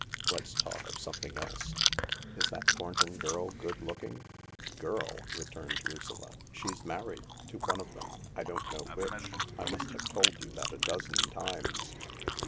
Let's talk of something else. Is that Thornton girl good looking ?"" Girl I " returned Lucilla. " She's married, to one of them — I don't know which. I must have told you that a dozen times."